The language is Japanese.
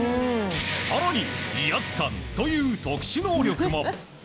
更に、威圧感という特殊能力も。